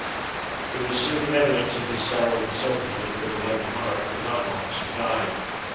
It was soon evident to his sorrowing soldiers that their beloved monarch could not long survive.